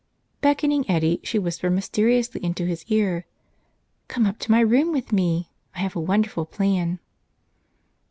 Beckoning Eddie, she whis¬ pered mysteriously into his ear: "Come up to my room with me. I have a wonderful plan."